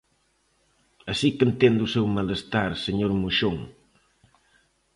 Así que entendo o seu malestar, señor Moxón.